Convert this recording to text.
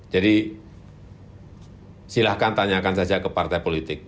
jadi silahkan tanyakan saja ke partai politik